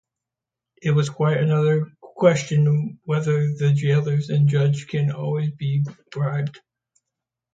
It is quite another question whether the jailers and judges can always be bribed.